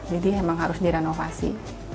jadi emang harus direnovasi